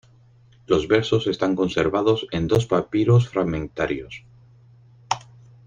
Los versos están conservados en dos papiros fragmentarios.